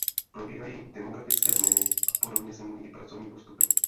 Probíhají demografické změny a podobně se mění i pracovní postupy.